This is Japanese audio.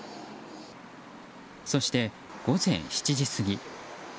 そして、午前７時過ぎ。